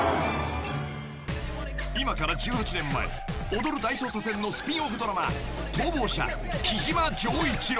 ［今から１８年前『踊る大捜査線』のスピンオフドラマ『逃亡者木島丈一郎』］